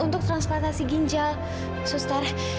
untuk transportasi ginjal suster